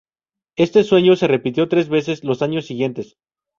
Este sueño se repitió tres veces los años siguientes.